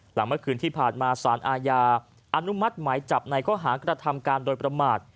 หลังเมื่อคืนที่ผ่านมาสารอาญาอนุมัติหมายจับในข้อหากระทำการโดยประมาท